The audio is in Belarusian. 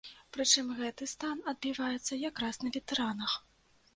Прычым, гэты стан адбіваецца якраз на ветэранах.